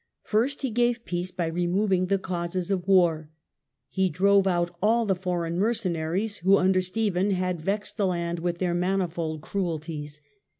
First, he gave peace by removing the causes of war. He drove out all the foreign mercenaries who under Stephen had vexed the land with their manifold cruelties.